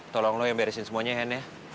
tolong lo yang beresin semuanya hen ya